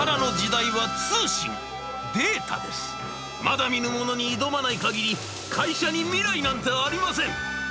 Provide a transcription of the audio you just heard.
まだ見ぬものに挑まない限り会社に未来なんてありません」。